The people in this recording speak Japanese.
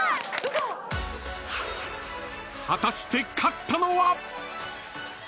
［果たして勝ったのは⁉］